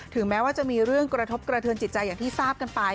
แม้ว่าจะมีเรื่องกระทบกระเทือนจิตใจอย่างที่ทราบกันไป